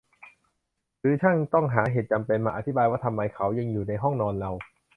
หรือช่างต้องหาเหตุจำเป็นมาอธิบายว่าทำไมเขายังอยู่ในห้องนอนเรา ?